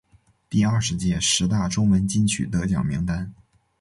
第二十届十大中文金曲得奖名单